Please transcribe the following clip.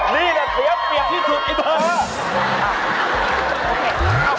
นี่แหละเสียเปรียบที่สุดไอ้เธอ